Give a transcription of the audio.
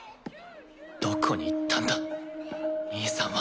どこに行ったんだ兄さんは。